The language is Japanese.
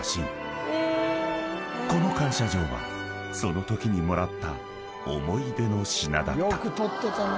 ［この感謝状はそのときにもらった思い出の品だった］